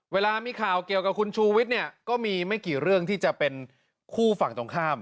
เวลามีข่าวเกี่ยวกับคุณชูวิทย์เนี่ยก็มีไม่กี่เรื่องที่จะเป็นคู่ฝั่งตรงข้าม